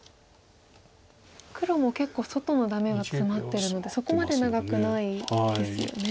黒も結構外のダメがツマってるのでそこまで長くないですよね。